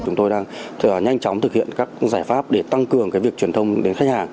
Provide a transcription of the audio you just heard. chúng tôi đang nhanh chóng thực hiện các giải pháp để tăng cường việc truyền thông đến khách hàng